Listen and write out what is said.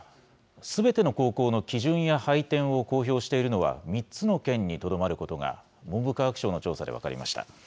すべての高校の基準や配点を公表しているのは３つの県にとどまることが、文部科学省の調査で分かりました。